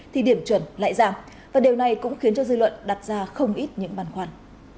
thì điểm chuẩn lại giảm và điều này cũng khiến cho dư luận đặt ra không ít những băn khoăn